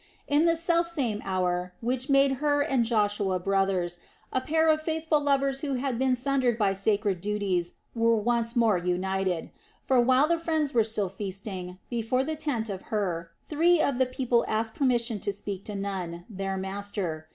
In the self same hour which made Hur and Joshua brothers, a pair of faithful lovers who had been sundered by sacred duties were once more united; for while the friends were still feasting before the tent of Hur, three of the people asked permission to speak to Nun, their master.